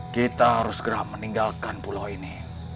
kita harus segera meninggalkan pulau ini